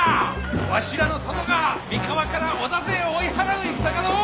わしらの殿が三河から織田勢を追い払う戦がのう！